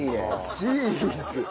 チーズ。